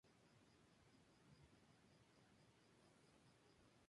Finalmente Anakin gana la carrera y junto a Qui-Gon se dirigen a la nave.